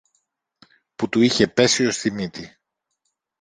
που του είχε πέσει ως τη μύτη